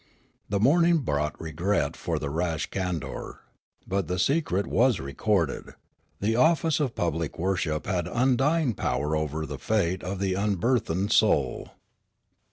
The morning brought regret for the rash candour, but the secret was recorded ; the office of public worship had undying power over the fate of the unburthened soul.